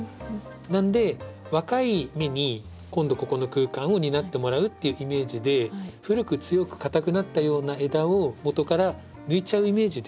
なので若い芽に今度ここの空間を担ってもらうっていうイメージで古く強く硬くなったような枝を元から抜いちゃうイメージで。